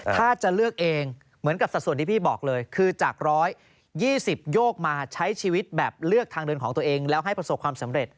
ถ้าจะเลือกเองเหมือนกับสัดส่วนที่พี่บอกเลยคือจาก๑๒๐โยกมาใช้ชีวิตแบบเลือกทางเดินของตัวเองแล้วให้ประสบความสำเร็จ